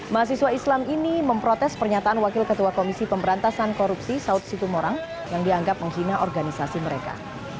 mahasiswa islam ini memprotes pernyataan wakil ketua komisi pemberantasan korupsi saud situmorang yang dianggap menghina organisasi mereka